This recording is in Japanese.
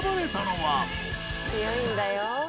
「強いんだよ」